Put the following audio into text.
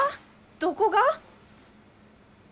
どこが！？